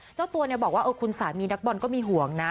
เจ้าตัวบอกว่าคุณสามีนักบอลก็มีห่วงนะ